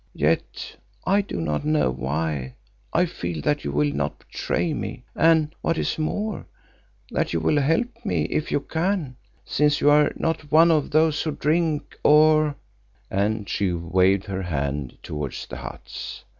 Yet, I do not know why, I feel that you will not betray me, and what is more, that you will help me if you can, since you are not one of those who drink, or——" and she waved her hand towards the huts.